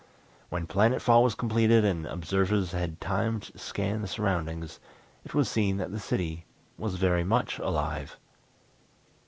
When planet fall was completed and observers had time to scan the surroundings it was seen that the city was very much alive.